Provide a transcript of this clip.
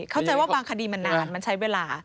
เข้าใจว่าบางคดีมันนานมันใช้เวลา